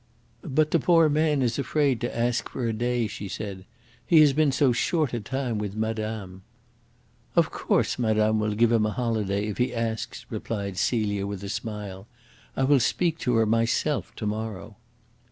"But the poor man is afraid to ask for a day," she said. "He has been so short a time with madame." "Of course madame will give him a holiday if he asks," replied Celia with a smile. "I will speak to her myself to morrow."